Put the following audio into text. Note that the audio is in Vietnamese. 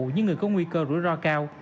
những người có nguy cơ rủi ro cao